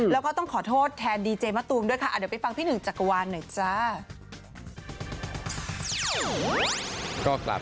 แล้วก็ต้องขอโทษแทนดีเจมะตูมด้วยค่ะเดี๋ยวไปฟังพี่หนึ่งจักรวาลหน่อยจ้า